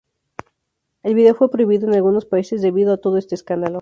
El video fue prohibido en algunos países debido a todo este escándalo.